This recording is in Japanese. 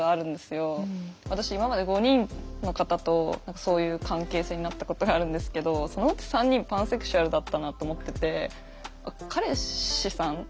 私今まで５人の方と何かそういう関係性になったことがあるんですけどそのうち３人パンセクシュアルだったなと思ってて。